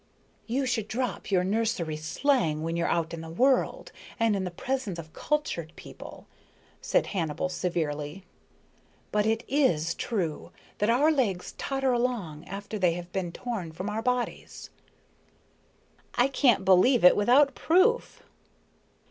"You should drop your nursery slang when you're out in the world and in the presence of cultured people," said Hannibal severely. "But it is true that our legs totter long after they have been torn from our bodies." "I can't believe it without proof."